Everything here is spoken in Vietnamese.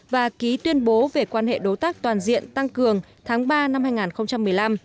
và ký tuyên bố về quan hệ đối tác toàn diện tăng cường tháng ba năm hai nghìn một mươi năm